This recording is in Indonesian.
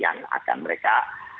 yang akan mereka